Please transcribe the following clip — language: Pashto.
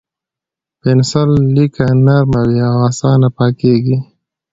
د پنسل لیکه نرم وي او اسانه پاکېږي.